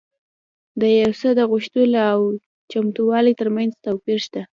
د يو څه د غوښتلو او چمتووالي ترمنځ توپير شته.